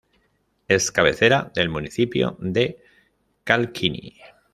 Es cabecera del municipio de Calkiní.